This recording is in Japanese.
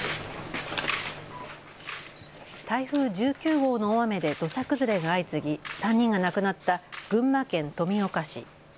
台風１９号の大雨で土砂崩れが相次ぎ３人が亡くなった群馬県富岡市。